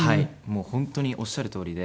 もう本当におっしゃるとおりで。